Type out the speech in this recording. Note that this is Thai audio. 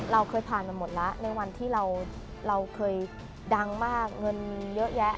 เราเคยผ่านมาหมดแล้วในวันที่เราเคยดังมากเงินเยอะแยะ